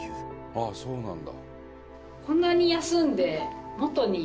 あっそうなんだ。